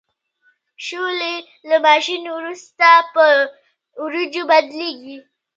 شولې له ماشین وروسته په وریجو بدلیږي.